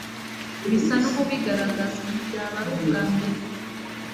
busa n'ububigaragaza, ntibyaba ari ubwa mbere